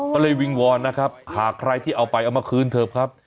ก็เลยวิงวอนนะครับหากใครที่เอาไปเอามาคืนเถอะครับ